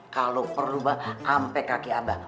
kalo perlu mba ampe kaki abah